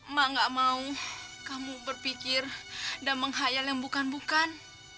mak gak mau kamu berpikir dan menghayal yang bukan bukan